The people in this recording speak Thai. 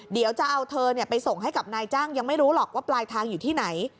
เดี๋ยวจะเอาเธอไปส่งให้กับนายจ้างยังไม่รู้หรอกว่าปลายทางอยู่ที่ไหน